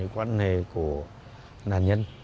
quan hệ của nạn nhân